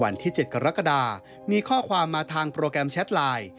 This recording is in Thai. วันที่๗กรกฎามีข้อความมาทางโปรแกรมแชทไลน์